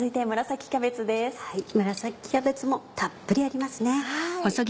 紫キャベツもたっぷりありますね。